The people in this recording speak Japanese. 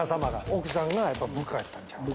奥さんが部下やったんちゃう？